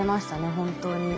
本当に。